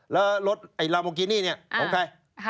แล้วรถลาโมกินี่ของใคร